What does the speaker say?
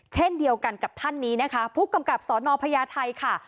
เช่นเดียวกันกับท่านนี้นะคะผู้กำกับสนพญาไทยค่ะ